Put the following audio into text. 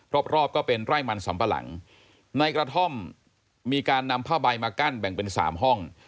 รอบรอบก็เป็นไร่มันสำปะหลังในกระท่อมมีการนำผ้าใบมากั้นแบ่งเป็น๓ห้อง